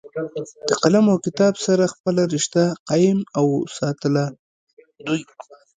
د قلم او کتاب سره خپله رشته قائم اوساتله دوي